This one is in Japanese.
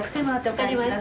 分かりました。